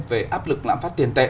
về áp lực lạm phát tiền tệ